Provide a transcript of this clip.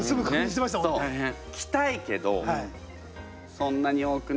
着たいけどそんなに多くの。